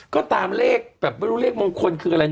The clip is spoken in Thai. ก็ตามเลขแบบไม่รู้เลขมงคลคืออะไร